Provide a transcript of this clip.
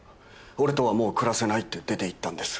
俺とはもう暮らせないって出ていったんです。